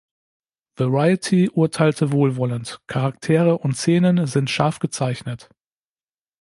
Variety urteilte wohlwollend: "„Charaktere und Szenen sind scharf gezeichnet.